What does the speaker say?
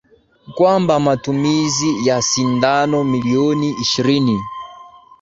kwamba matumizi ya sindano milioni ishirini